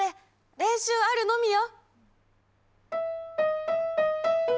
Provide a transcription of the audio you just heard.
練習あるのみよ！